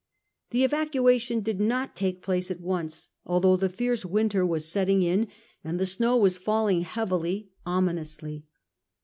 The evacuation did not take place at once, although the fierce winter was setting in, and the 1841. THE SECRET AGREEMENT. 243 snow was falling heavily, ominously.